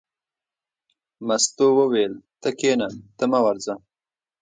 مستو وویل: ته کېنه ته مه ورځه.